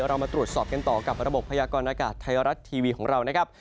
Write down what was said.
เรามาตรวจสอบกันต่อกับระบบพยากรณากาศไทยรัฐทีวีของเรานะครับ